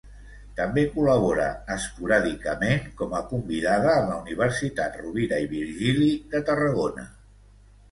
També col·labora esporàdicament com a convidada en la Universitat Rovira i Virgili de Tarragona.